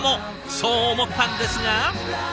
そう思ったんですが。